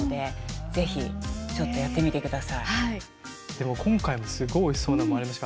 でも今回もすごいおいしそうなものありました。